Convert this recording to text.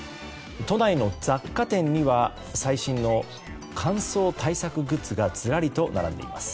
都内の雑貨店には最新の乾燥対策グッズがずらりと並んでいます。